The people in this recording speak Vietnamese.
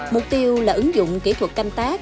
mục tiêu là ứng dụng kỹ thuật canh tác